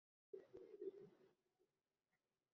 Buning imkoni yoʻq, juda koʻp.